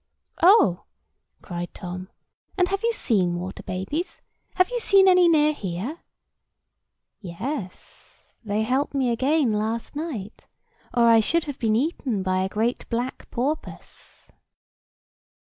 "Oh!" cried Tom. "And you have seen water babies? Have you seen any near here?" "Yes; they helped me again last night, or I should have been eaten by a great black porpoise."